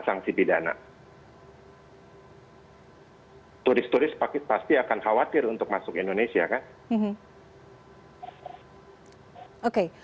yang ada jadi seperti itu mbak